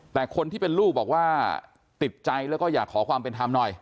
แต่คนที่เป็นลูกบอกว่าติดใจแล้วก็อยากขอความเป็นธรรมหน่อย